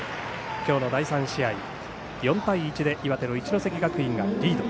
今日の第３試合４対１で岩手の一関学院がリード。